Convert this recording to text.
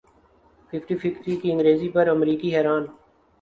fifty fifty کی انگریزی پر امریکی حیران